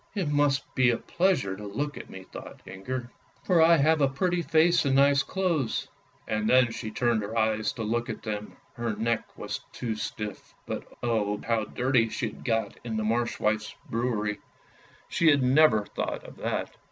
" It must be a pleasure to look at me! " thought Inger, 122 ANDERSEN'S FAIRY TALES " for I have a pretty face and nice clothes," and then she turned her eyes to look at them, her neck was too stiff. But, oh, how dirty she had got in the Marsh wife's brewery; she had never thought of that.